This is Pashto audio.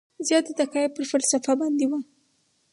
زیاته تکیه یې پر فلسفه باندې وي.